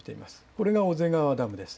これが小瀬川ダムです。